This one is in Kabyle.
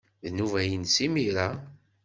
D nnuba-nnes imir-a.